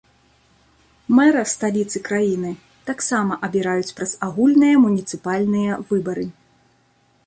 Мэра сталіцы краіны, таксама абіраюць праз агульныя муніцыпальныя выбары.